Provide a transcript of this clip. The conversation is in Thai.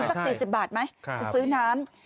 ใช่มีสัก๔๐บาทไหมซื้อน้ำ